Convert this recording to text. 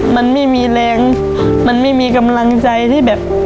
มันไม่มีแรงมันไม่มีกำลังใจที่แบบ